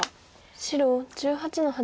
白１８の八。